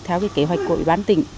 theo kế hoạch của ủy ban tỉnh